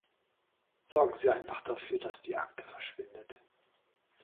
Sorgen Sie einfach dafür, dass die Akte verschwindet.